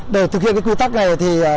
để thực hiện quy tắc này thì